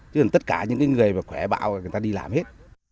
chứ tất cả những người khỏe bạo người ta đi làm hết